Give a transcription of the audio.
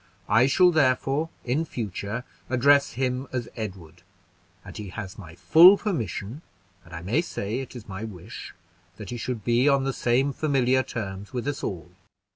I shall, therefore, in future address him as Edward; and he has my full permission, and I may say it is my wish, that he should be on the same familiar terms with us all.